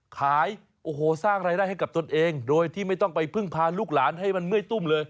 ขายโอ้โหสร้างรายได้ให้กับตนเองโดยที่ไม่ต้องไปพึ่งพาลูกหลานให้มันเมื่อยตุ้มเลย